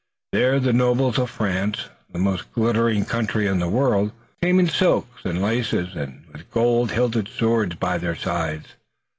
There the nobles of France, then the most glittering country in the world, came in silks and laces and with gold hilted swords by their sides.